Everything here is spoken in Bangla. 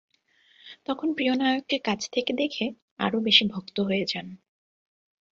তখন প্রিয় নায়ককে কাছ থেকে দেখে আরও বেশি ভক্ত হয়ে যান।